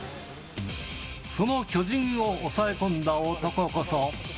その巨人を抑え込んだ男こそ。